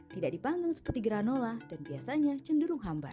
tidak dipanggil seperti granola dan biasanya cenderung hambar